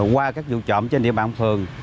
qua các vụ trộm trên địa bàn phường